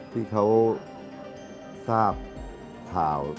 ที่เขาทราบข่าว